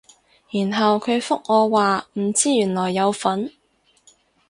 然後佢覆我話唔知原來有分